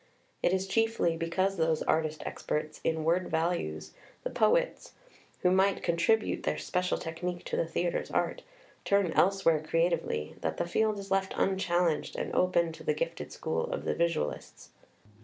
It is chiefly because those artist experts in word values, the poets, who might contribute their special technique to the theatre's art, turn elsewhere creatively, that the field is left unchallenged and open to the gifted school of the visualists.